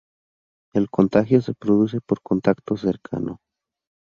El contagio se produce por contacto cercano.